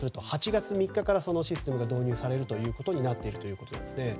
８月３日からそのシステムが導入されることになっています。